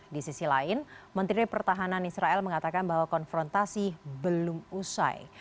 di sisi lain menteri pertahanan israel mengatakan bahwa konfrontasi belum usai